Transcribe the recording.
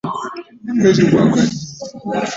Omwezi gwaka ddi?